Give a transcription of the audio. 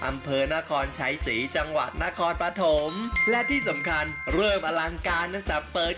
อำเภอนครชัยศรีจังหวัดนครปฐมและที่สำคัญเริ่มอลังการตั้งแต่เปิด